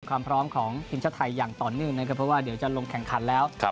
ความพร้อมของทีมเช้าไทยอย่างตอนนึงเพราะว่าเดี๋ยวจะลงแข่งขันแล้ว